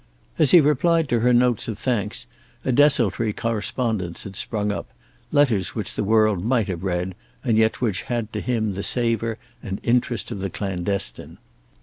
As he replied to her notes of thanks a desultory correspondence had sprung up, letters which the world might have read, and yet which had to him the savor and interest of the clandestine.